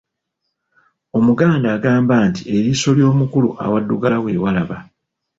Omuganda agamba nti, "eriiso ly'omukulu awaddugala we walaba".